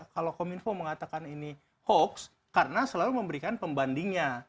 kalau kominfo mengatakan ini hoax karena selalu memberikan pembandingnya